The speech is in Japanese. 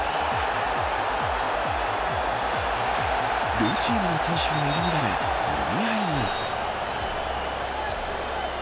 両チームの選手が入り乱れもみ合いに。